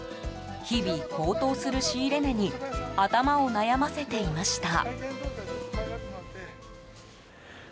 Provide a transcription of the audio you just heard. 日々、高騰する仕入れ値に頭を悩ませていました。